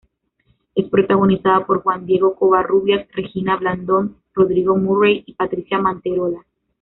Es protagonizada por Juan Diego Covarrubias, Regina Blandón, Rodrigo Murray y Patricia Manterola.